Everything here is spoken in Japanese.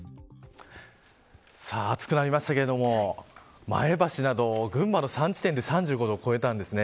さあ暑くなりましたけれども前橋など群馬の３地点で３５度を超えたんですね。